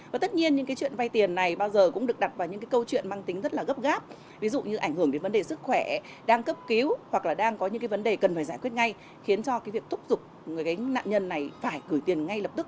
và tất nhiên những cái chuyện vay tiền này bao giờ cũng được đặt vào những cái câu chuyện mang tính rất là gấp gáp ví dụ như ảnh hưởng đến vấn đề sức khỏe đang cấp cứu hoặc là đang có những cái vấn đề cần phải giải quyết ngay khiến cho cái việc thúc giục người gánh nạn nhân này phải gửi tiền ngay lập tức